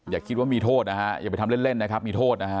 อย่าคิดว่ามีโทษนะฮะอย่าไปทำเล่นนะครับมีโทษนะฮะ